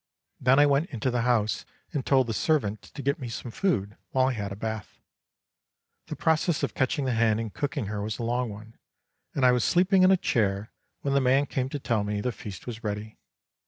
Then I went into the house and told the servant to get me some food while I had a bath. The process of catching the hen and cooking her was a long one, and I was sleeping in a chair when the man came to tell me the feast was ready.